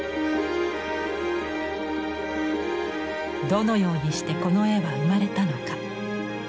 どのようにしてこの絵は生まれたのか。